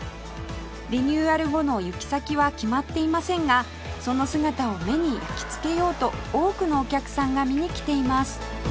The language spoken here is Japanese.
リニューアル後の行き先は決まっていませんがその姿を目に焼きつけようと多くのお客さんが見に来ています